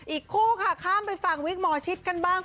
อีกคู่ค่ะข้ามไปฟังวิกหมอชิดกันบ้าง